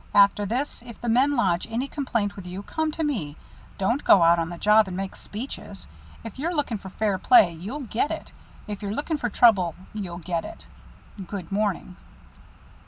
After this, if the men lodge any complaint with you, come to me; don't go out on the job and make speeches. If you're looking for fair play, you'll get it. If you're looking for trouble, you'll get it. Good morning."